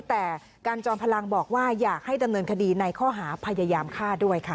แต่การจอมพลังบอกว่าอยากให้ดำเนินคดีในข้อหาพยายามฆ่าด้วยค่ะ